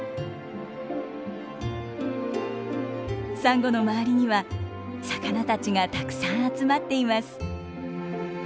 サンゴの周りには魚たちがたくさん集まっています。